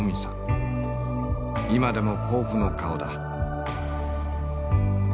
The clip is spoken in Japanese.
今でも甲府の顔だ。